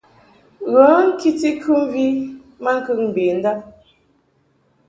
Ghə ŋkiti kɨmvi maŋkəŋ mbendab.